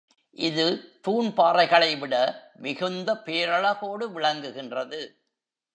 இது தூண் பாறைகளைவிட மிகுந்த பேரழகோடு விளங்குகின்றது.